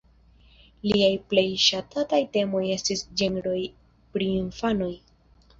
Liaj plej ŝatataj temoj estis ĝenroj pri infanoj.